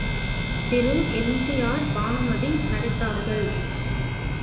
Thiru MGR. Bhanumathi நடித்தார்கள்.